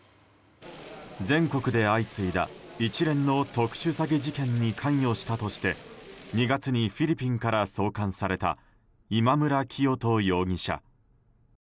全国で相次いだ、一連の特殊詐欺事件に関与したとして２月にフィリピンから送還された今村磨人容疑者。